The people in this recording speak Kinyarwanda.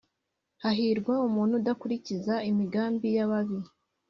hahirwa umuntu udakurikiza imigambi y’ababi,